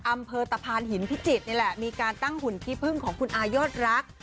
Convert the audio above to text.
อำเภอตะพานหินพิจิตรนี่แหละมีการตั้งหุ่นขี้พึ่งของคุณอายอดรัก